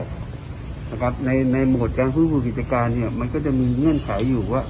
นะครับในในหมวดการพื้นภูมิวิทยาการเนี้ยมันก็จะมีเงื่อนไขอยู่ว่า